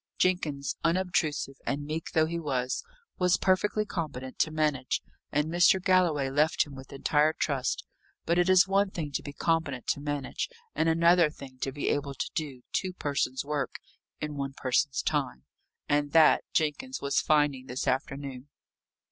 Jenkins, unobtrusive and meek though he was, was perfectly competent to manage, and Mr. Galloway left him with entire trust. But it is one thing to be competent to manage, and another thing to be able to do two persons' work in one person's time; and, that, Jenkins was finding this afternoon.